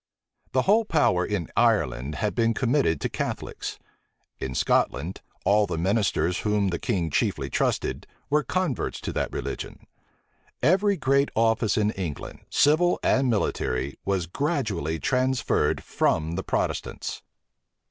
The whole power in Ireland had been committed to Catholics. In Scotland, all the ministers whom the king chiefly trusted, were converts to that religion. Every great office in England, civil and military, was gradually transferred from the Protestants.